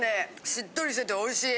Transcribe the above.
しっとりしてておいしい。